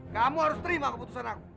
kamu harus terima keputusan aku